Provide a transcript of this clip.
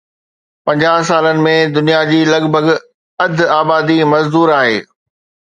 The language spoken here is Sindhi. پنجاهه سالن ۾ دنيا جي لڳ ڀڳ اڌ آبادي مزدور آهي